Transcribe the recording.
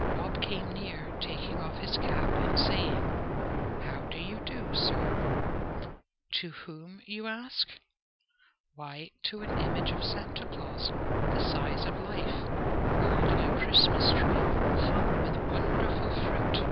Rob came near taking off his cap and saying, "How do you do, sir?" To whom? you ask. Why, to an image of Santa Claus, the size of life, holding a Christmas tree hung with wonderful fruit.